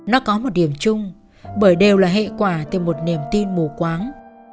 nó có một điểm chung bởi đều là hệ quả từ một niềm tin mù quáng